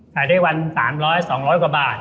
ขายได้วัน๓๐๐๒๐๐กว่าบาท